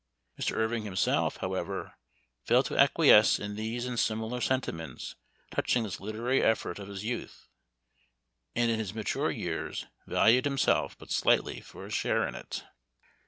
Mr. Irving himself, how i ever, failed to acquiesce in these and similar ' sentiments touching this literary effort of his : youth, and in his maturer years valued himself ' but slightly for his share in it.